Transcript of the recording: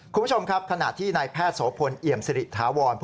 คุณผู้ชมครับขณะที่นายแพทย์โสพลเอี่ยมสิริถาวร